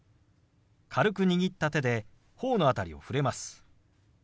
軽く握った手で頬の辺りを触れます。